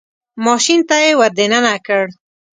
ماشین ته یې ور دننه کړ.